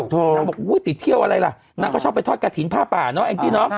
นางบอกติดเที่ยวอะไรล่ะนางก็ชอบไปทอดกระถิ่นผ้าป่าเนาะแองจี้เนอะ